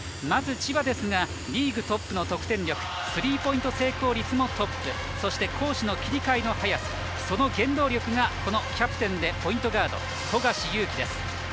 まず、千葉ですがリーグトップの得点力スリーポイント成功率もトップそして攻守の切り替えの早さその原動力が、キャプテンでポイントガード、富樫勇樹です。